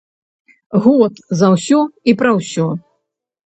Год за ўсё і пра ўсё!